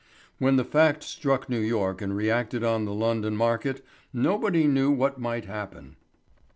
When the fact struck New York and reacted on the London market, nobody knew what might happen.